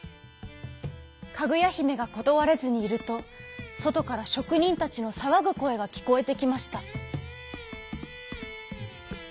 かぐやひめがことわれずにいるとそとからしょくにんたちのさわぐこえがきこえてきました。